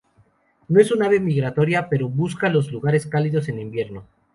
No es un ave migratoria, pero busca los lugares cálidos en invierno.